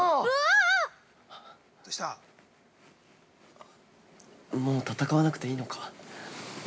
あっ、もう戦わなくていいのか。